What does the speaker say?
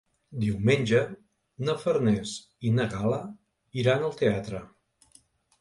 Diumenge na Farners i na Gal·la iran al teatre.